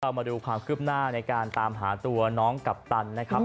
มาดูความคืบหน้าในการตามหาตัวน้องกัปตันนะครับ